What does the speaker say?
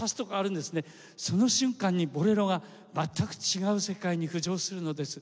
その瞬間に『ボレロ』が全く違う世界に浮上するのです。